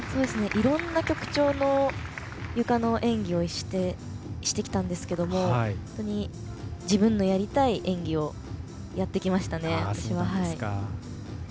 いろんな曲調のゆかの演技をしてきたんですけど本当に自分のやりたい演技をやってきましたね、私は。